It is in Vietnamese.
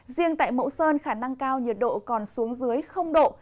riêng tại mẫu sơn khả năng cao nhiệt độ còn xuống dưới độ